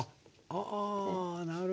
あなるほど。